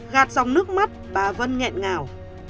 gạt dòng nước mắt bà vân nghẹn ngào